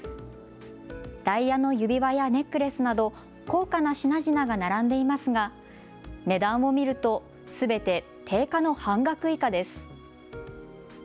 ダイヤの指輪やネックレスなど高価な品々が並んでいますが値段を見るとすべて定価の半額以下です。